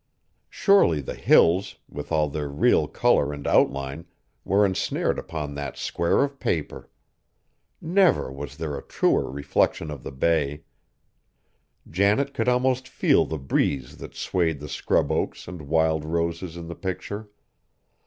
Surely the Hills, with all their real color and outline, were ensnared upon that square of paper! Never was there a truer reflection of the bay. Janet could almost feel the breeze that swayed the scrub oaks and wild roses in the picture.